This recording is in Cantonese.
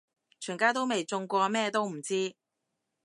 全家都未中過咩都唔知